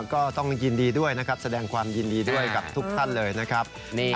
ก็ต้องยินดีกับทุกท่านเลยนะครับ